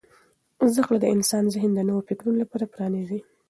زده کړه د انسان ذهن د نویو فکرونو لپاره پرانیزي.